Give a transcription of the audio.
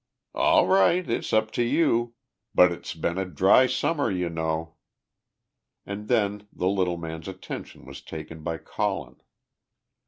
"All right, it's up to you but it's been a dry Summer, you know." And then the little man's attention was taken by Colin.